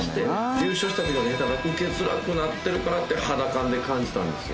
優勝した時のネタがウケづらくなってるかなって肌感で感じたんですよ。